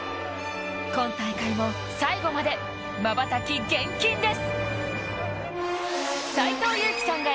今大会も最後まで瞬き厳禁です。